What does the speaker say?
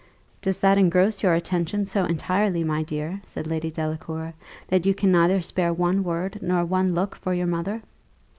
"Does that engross your attention so entirely, my dear," said Lady Delacour, "that you can neither spare one word nor one look for your mother?"